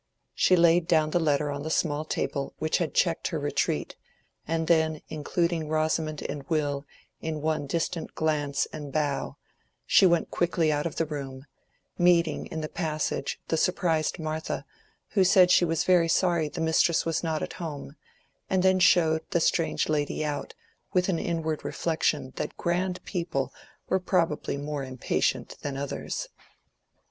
She laid down the letter on the small table which had checked her retreat, and then including Rosamond and Will in one distant glance and bow, she went quickly out of the room, meeting in the passage the surprised Martha, who said she was sorry the mistress was not at home, and then showed the strange lady out with an inward reflection that grand people were probably more impatient than others.